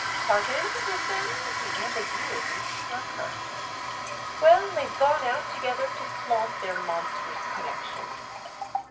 "'Parted' with them?"—the ambiguity struck her. "Well, they've gone out together to flaunt their monstrous connection!"